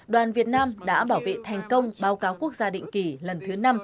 đoàn việt nam đã bảo vệ thành công báo cáo quốc gia định kỳ lần thứ năm